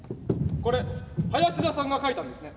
これ林田さんが書いたんですね。